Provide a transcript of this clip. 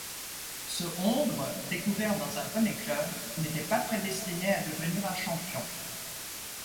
Ce hongre, découvert dans un poney-club, n'était pas prédestiné à devenir un champion.